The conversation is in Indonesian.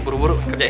buru buru kerja ya